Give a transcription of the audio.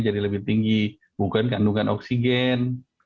jadi lebih tinggi bukan kandungan oksigen